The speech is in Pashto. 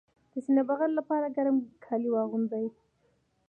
د سینه بغل لپاره ګرم کالي واغوندئ